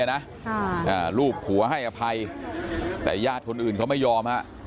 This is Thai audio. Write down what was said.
นะรูปผัวให้อภัยแต่ญาติคนอื่นเขาไม่ยอมฮะ